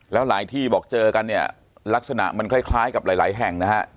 แล้วหลายที่บอกเจอกันเนี่ยลักษณะมันคล้ายกับหลายแห่งนะฮะ